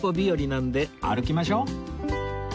なんで歩きましょう